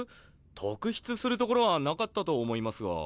特筆するところはなかったと思いますが。